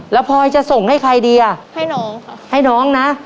แล้วพลอยจะส่งให้ใครดีอ่ะให้น้องให้น้องนะ